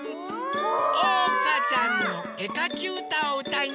おうかちゃんのえかきうたをうたいながらかきました。